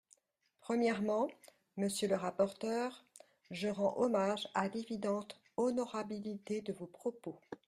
Premièrement, monsieur le rapporteur, je rends hommage à l’évidente honorabilité de vos propos.